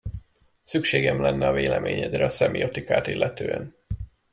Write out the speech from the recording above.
Szükségem lenne a véleményedre a szemiotikát illetően.